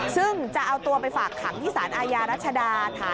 ซึ่งจะเอาตัวไปฝากขังที่สารอาญารัชดา